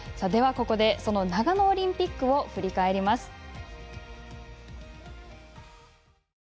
ここで、その長野オリンピックを振り返ります。